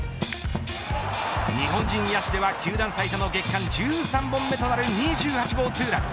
日本人野手では球団最多の月間１３本目となる２８号ツーラン。